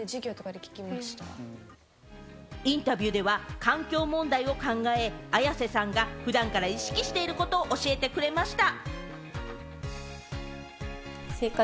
インタビューでは環境問題を考え、綾瀬さんが普段から意識していることを教えてくれました。